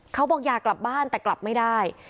เขาบอกอยากกลับบ้านแต่กลับไม่ได้